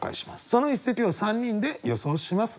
その一席を３人で予想します。